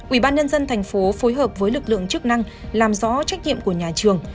ủy ban nhân dân thành phố phối hợp với lực lượng chức năng làm rõ trách nhiệm của nhà trường